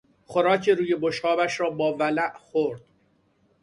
خوراک روی بشقابش را با ولع خورد.